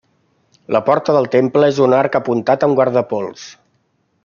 La porta del temple és en arc apuntat amb guardapols.